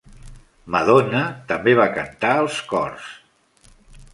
Madonna també va cantar els cors.